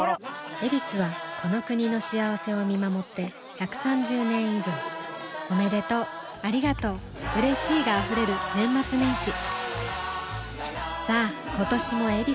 「ヱビス」はこの国の幸せを見守って１３０年以上おめでとうありがとううれしいが溢れる年末年始さあ今年も「ヱビス」で